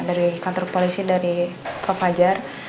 dari kantor polisi dari pak fajar